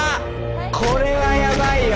これはやばいよ。